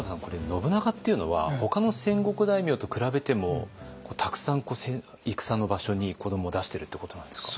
信長っていうのはほかの戦国大名と比べてもたくさん戦の場所に子どもを出してるってことなんですか？